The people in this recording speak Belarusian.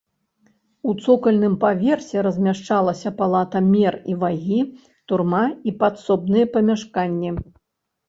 У цокальным паверсе размяшчалася палата мер і вагі, турма і падсобныя памяшканні.